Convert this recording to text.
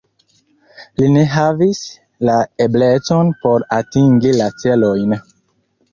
Li ne havis la eblecon por atingi la celojn.